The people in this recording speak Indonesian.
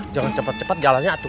jangan cepat cepat jalannya atur